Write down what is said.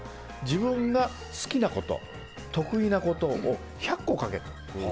自分が好きなこと、得意なことを１００個書けと。